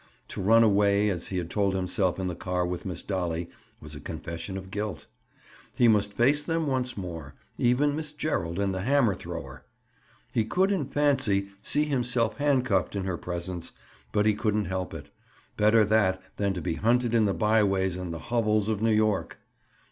To run away, as he had told himself in the car with Miss Dolly, was a confession of guilt. He must face them once more—even Miss Gerald and the hammer thrower. He could in fancy, see himself handcuffed in her presence, but he couldn't help it. Better that, than to be hunted in the byways and hovels of New York!